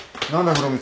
風呂光。